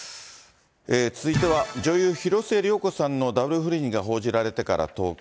続いては女優、広末涼子さんのダブル不倫が報じられてから１０日。